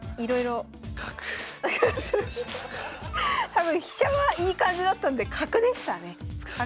多分飛車はいい感じだったんで角でしたね。